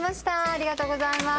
ありがとうございます。